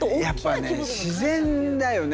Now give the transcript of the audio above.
自然だよね